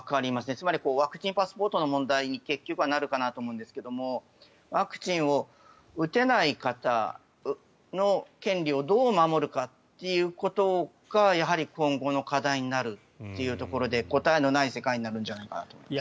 つまりワクチンパスポートの問題に結局はなると思うんですがワクチンを打てない方の権利をどう守るかということがやはり今後の課題になるというところで答えのない世界になるんじゃないかと思います。